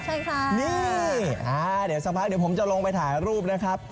ใช่ค่ะนี่เดี๋ยวสักพักเดี๋ยวผมจะลงไปถ่ายรูปนะครับ